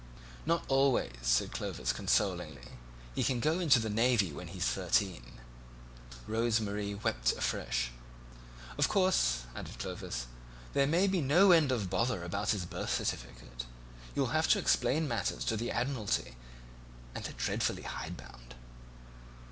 "Not always," said Clovis consolingly; "he can go into the Navy when he's thirteen." Rose Marie wept afresh. "Of course," added Clovis, "there may be no end of a bother about his birth certificate. You'll have to explain matters to the Admiralty, and they're dreadfully hidebound."